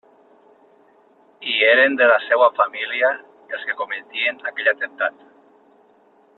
I eren de la seua família els que cometien aquell atemptat!